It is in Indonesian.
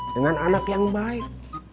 dengan anak yang baik